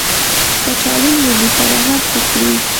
کچالو له رومي سره هم ښه خوري